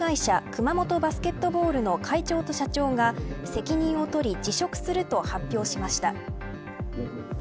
熊本バスケットボールの会長と社長が責任を取り辞職すると発表しました。